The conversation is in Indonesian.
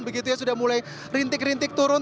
begitu ya sudah mulai rintik rintik turun